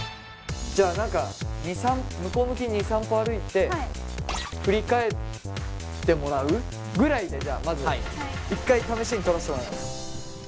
じゃあ何か向こう向きに２３歩歩いて振り返ってもらうぐらいでじゃあまず一回試しに撮らしてもらいます。